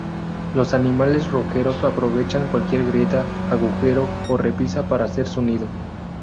Los animales roqueros aprovechan cualquier grieta, agujero o repisa para hacer su nido.